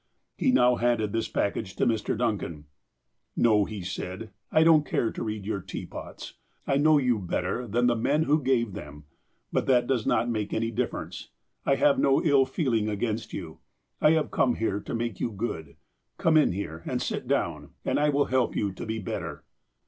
He now handed this package to Mr. Duncan. ''No," he said, "I don't care to read your 'teapots.' I know you better than the men who gave them. But that does not make any difference. I have no ill feeling against you. I have come here to make you good. Come in here, and sit down, and I will help you to be better."